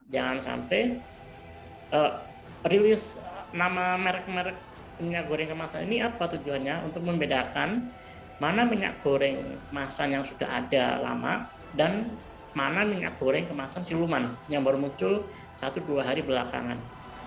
jangan sampai rilis nama merek merek minyak goreng kemasan ini apa tujuannya untuk membedakan mana minyak goreng kemasan yang sudah ada lama dan mana minyak goreng kemasan siluman yang baru muncul satu dua hari belakangan